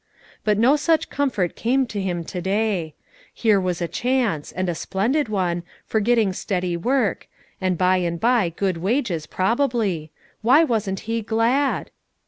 But no such comfort came to him to day: here was a chance, and a splendid one, for getting steady work, and by and by good wages probably; why wasn't he glad?